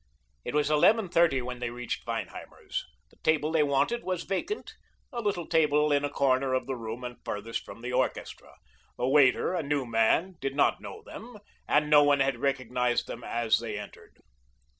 It was eleven thirty when they reached Feinheimer's. The table they wanted was vacant, a little table in a corner of the room and furthest from the orchestra. The waiter, a new man, did not know them, and no one had recognized them as they entered.